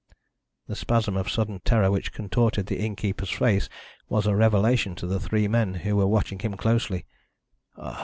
The spasm of sudden terror which contorted the innkeeper's face was a revelation to the three men who were watching him closely.